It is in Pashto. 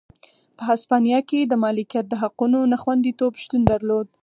په هسپانیا کې د مالکیت د حقونو نه خوندیتوب شتون درلود.